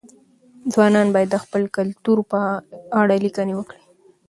ځوانان باید د خپل کلتور په اړه لیکني وکړي.